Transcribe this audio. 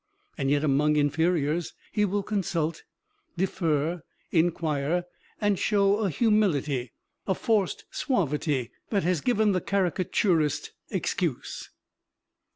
And yet among inferiors he will consult, defer, inquire, and show a humility, a forced suavity, that has given the caricaturist excuse.